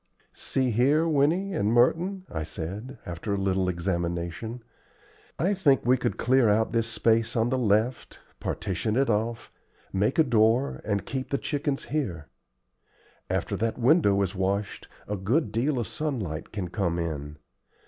"See here, Winnie and Merton," I said, after a little examination, "I think we could clear out this space on the left, partition it off, make a door, and keep the chickens here. After that window is washed, a good deal of sunlight can come in.